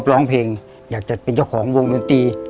ผมสู้เพลงอยากจะเป็นเยาะของวงดนตรี